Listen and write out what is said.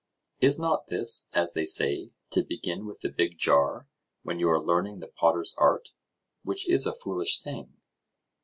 Is not this, as they say, to begin with the big jar when you are learning the potter's art; which is a foolish thing?